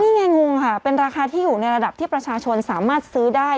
นี่ไงงงค่ะเป็นราคาที่อยู่ในระดับที่ประชาชนสามารถซื้อได้